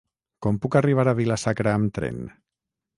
Com puc arribar a Vila-sacra amb tren?